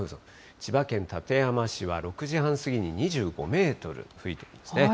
千葉県館山市は６時半過ぎに２５メートル吹いてるんですね。